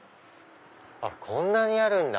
こんなにあるんだ。